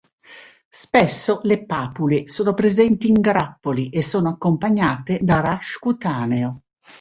Spesso le papule sono presenti in grappoli e sono accompagnate da rash cutaneo.